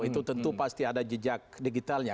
itu tentu pasti ada jejak digitalnya